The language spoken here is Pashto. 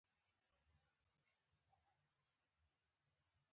غرونه د افغانستان د جغرافیې بېلګه ده.